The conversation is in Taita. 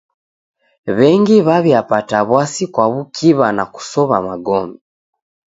W'engi w'aw'iapata w'asi kwa w'ukiw'a na kusow'a magome.